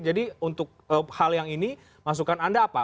jadi untuk hal yang ini masukan anda apa